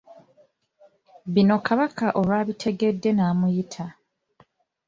Bino kabaka olwabitegedde n'amuyita.